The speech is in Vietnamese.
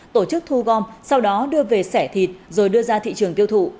tổ chức thu gom sau đó đưa về sẻ thịt rồi đưa ra thị trường tiêu thụ